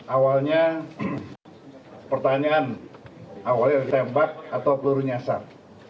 awalnya pertanyaan awalnya tembak atau peluru nyasar